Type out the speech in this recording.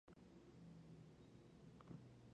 თ სენ ფაფირს ონოღია გიოდინუ ხინტკირიაქია."